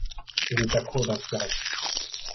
Il est a court d'inspiration.